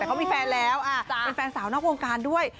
เขามีแฟนแล้วเป็นแฟนสาวนอกวงการด้วย